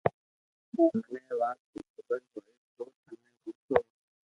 مني اي وات ري خبر ھوئي تو تني پوسو